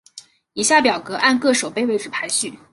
以下表格按各守备位置排序。